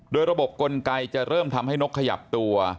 โดยระบบกลไกจะเริ่มทำให้นกขยับตัว